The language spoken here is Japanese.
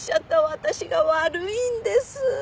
私が悪いんです。